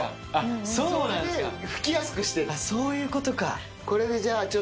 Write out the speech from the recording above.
そういうことか。